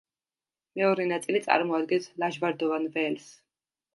მეორე ნაწილი წარმოადგენს ლაჟვარდოვან ველს.